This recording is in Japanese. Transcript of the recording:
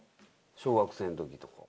小学生の時とか。